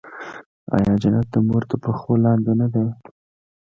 آیا جنت د مور تر پښو لاندې نه دی؟